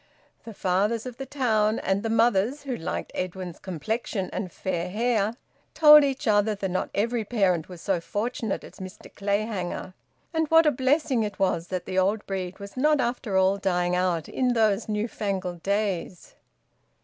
The fathers of the town, and the mothers, who liked Edwin's complexion and fair hair, told each other that not every parent was so fortunate as Mr Clayhanger, and what a blessing it was that the old breed was not after all dying out in those newfangled days.